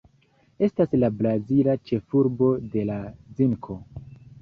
Estas la brazila ĉefurbo de la zinko.